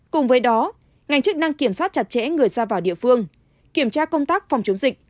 cùng với đó ngành chức năng kiểm soát chặt chẽ người ra vào địa phương kiểm tra công tác phòng chống dịch